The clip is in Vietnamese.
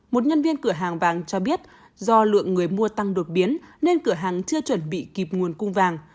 một nhân viên cửa hàng vàng cho biết do lượng người mua tăng đột biến nên cửa hàng chưa chuẩn bị kịp nguồn cung vàng